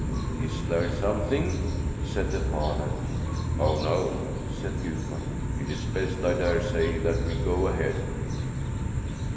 "Is there something ?" said the father. "Oh, no!" said Gudmund. "It is best, I dare say, that we go ahead."